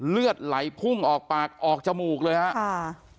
เลือดไหลพุ่งออกปากออกจมูกเลยครับ